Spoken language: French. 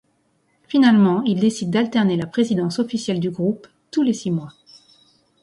Finalement, ils décident d’alterner la présidence officielle du groupe tous les six mois.